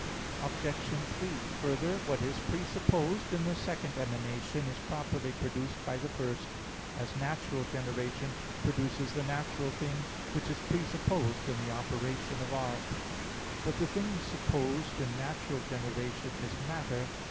Obj. 3: Further, what is presupposed in the second emanation is properly produced by the first: as natural generation produces the natural thing, which is presupposed in the operation of art. But the thing supposed in natural generation is matter.